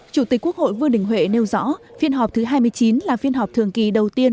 chủ tịch quốc hội vương đình huệ nêu rõ phiên họp thứ hai mươi chín là phiên họp thường kỳ đầu tiên